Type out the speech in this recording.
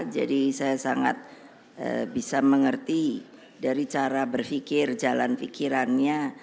jadi saya sangat bisa mengerti dari cara berpikir jalan pikirannya